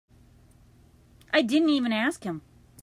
I didn't even ask him.